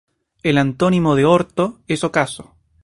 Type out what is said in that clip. El antónimo de orto es ocaso.